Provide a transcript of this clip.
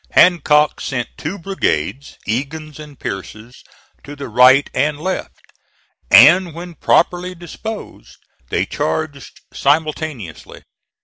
Hancock sent two brigades, Egan's and Pierce's, to the right and left, and when properly disposed they charged simultaneously.